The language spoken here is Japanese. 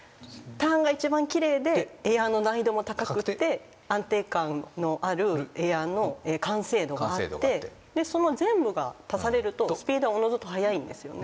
ターンが一番きれいでエアの難易度も高くて安定感のあるエアの完成度があってその全部が足されるとスピードはおのずと速いんですよね